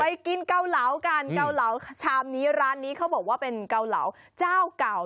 กินเกาเหลากันเกาเหลาชามนี้ร้านนี้เขาบอกว่าเป็นเกาเหลาเจ้าเก่า